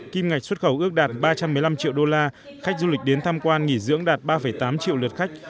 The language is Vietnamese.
kim ngạch xuất khẩu ước đạt ba trăm một mươi năm triệu đô la khách du lịch đến tham quan nghỉ dưỡng đạt ba tám triệu lượt khách